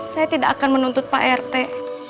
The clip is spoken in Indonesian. saya tidak akan menuntut pak rt